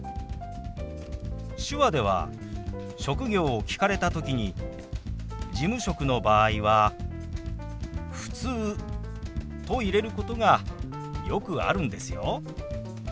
手話では職業を聞かれた時に事務職の場合は「ふつう」と入れることがよくあるんですよ。